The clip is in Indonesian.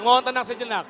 mohon tenang sejenak